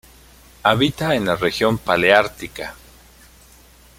Habita en la Región paleártica.